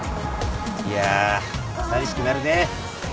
いやぁ寂しくなるねぇ。